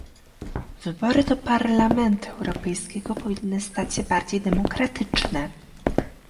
Wybory do Parlamentu Europejskiego powinny stać się bardziej demokratyczne